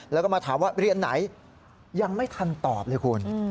แล้วก็มาถามว่าเรียนไหนยังไม่ทันตอบเลยคุณ